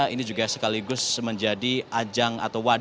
ini juga sekaligus menjadi ajang